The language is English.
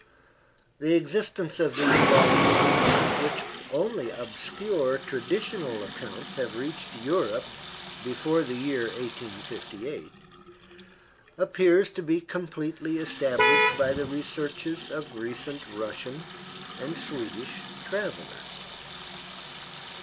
The existence of these volcanoes, of which only obscure traditional accounts had reached Europe before the year 1858, appears to be completely established by the researches of recent Russian and Swedish travelers.